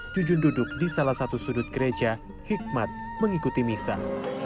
jujun duduk di salah satu sudut gereja hikmat mengikuti misah